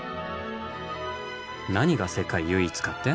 何が世界唯一かって？